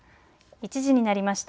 １時になりました。